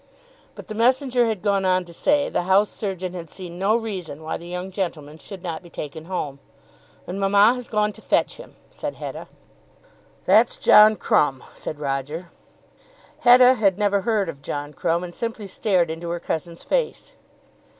But, the messenger had gone on to say, the house surgeon had seen no reason why the young gentleman should not be taken home. "And mamma has gone to fetch him," said Hetta. "That's John Crumb," said Roger. Hetta had never heard of John Crumb, and simply stared into her cousin's face.